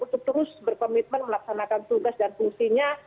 untuk terus berkomitmen melaksanakan tugas dan fungsinya